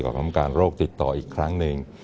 กรรมการโรคติดต่ออีกครั้งหนึ่ง